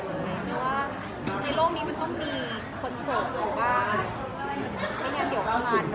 เพราะว่าในโลกนี้มันต้องมีคนสุภาพ